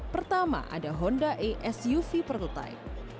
pertama ada honda e suv pertutai